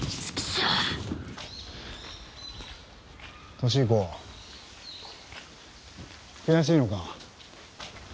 稔彦、悔しいのか。